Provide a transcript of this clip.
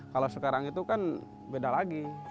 kalau sekarang itu kan beda lagi